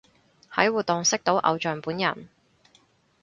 喺活動識到偶像本人